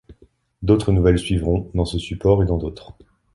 D'autres nouvelles suivront, dans ce support et dans d'autres.